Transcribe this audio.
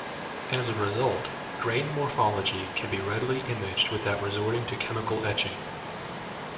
As a result, grain morphology can be readily imaged without resorting to chemical etching.